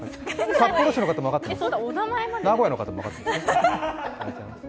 札幌市の方も分かってます。